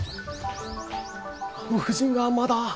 あの婦人がまだ。